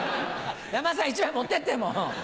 山田さん１枚持ってってもう。